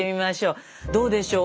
どうでしょう？